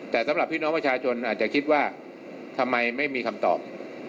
แต่สำหรับพี่น้องประชาชนอาจจะคิดว่าทำไมไม่มีคำตอบ